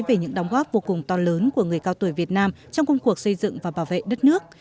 về những đóng góp vô cùng to lớn của người cao tuổi việt nam trong công cuộc xây dựng và bảo vệ đất nước